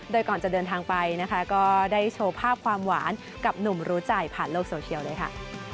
โดยก่อนจะเดินทางไปนะคะก็ได้โชว์ภาพความหวานกับหนุ่มรู้ใจผ่านโลกโซเชียลเลยค่ะ